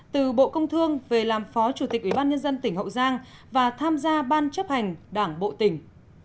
từ bộ công thương về làm phó chủ tịch ủy ban nhân dân tỉnh hậu giang và tham gia ban chấp hành đảng bộ tỉnh